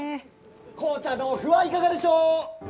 紅茶豆腐はいかがでしょう！